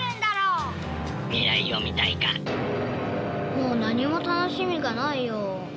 もう何も楽しみがないよ。